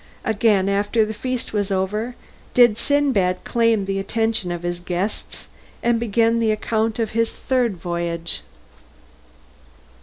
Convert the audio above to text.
Again after the feast was over did Sindbad claim the attention of his guests and began the account of his third voyage.